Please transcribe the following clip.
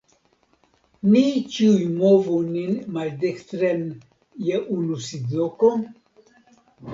Ni ĉiuj movu nin maldekstren je unu sidloko?